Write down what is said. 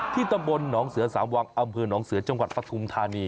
ตำบลหนองเสือสามวังอำเภอหนองเสือจังหวัดปฐุมธานี